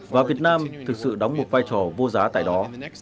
và việt nam thực sự đóng một vai trò vô giá tại đó